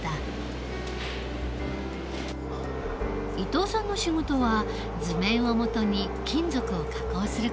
伊藤さんの仕事は図面を基に金属を加工する事。